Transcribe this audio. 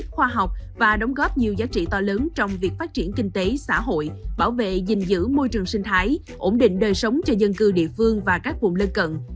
bảo vệ giành giữ môi trường sinh thái ổn định đời sống cho dân cư địa phương và các vùng lân cận